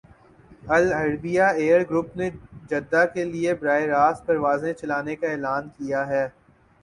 العربیہ air group نے Jeddah کے لیے براہ راست پروازیں چلانے کا اعلان کیا ہے